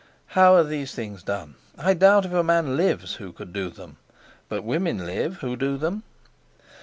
How are these things done? I doubt if a man lives who could do them; but women live who do them.